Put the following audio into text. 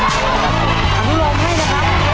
ขอบคุณครับ